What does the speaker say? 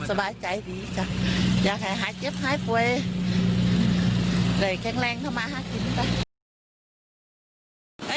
สบายใจดีจ้ะอยากให้หายเจ็บหายป่วยได้แข็งแรงเข้ามาหากินจ้ะ